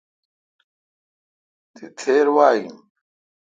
تی تھیر وا این۔